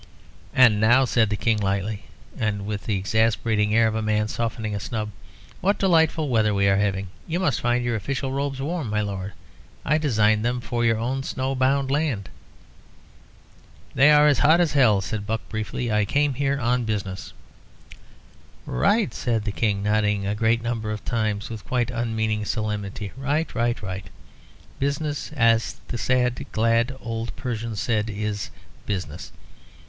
"And now," said the King, lightly, and with the exasperating air of a man softening a snub; "what delightful weather we are having! You must find your official robes warm, my Lord. I designed them for your own snow bound land." "They're as hot as hell," said Buck, briefly. "I came here on business." "Right," said the King, nodding a great number of times with quite unmeaning solemnity; "right, right, right. Business, as the sad glad old Persian said, is business.